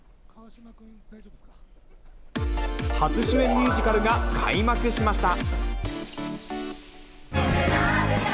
初主演ミュージカルが開幕しました。